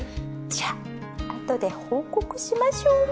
じゃあ後で報告しましょう。